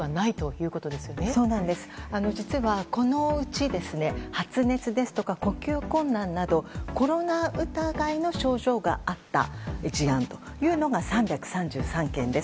実は、このうち発熱ですとか呼吸困難などコロナ疑いの症状があった事案というのが３３３件です。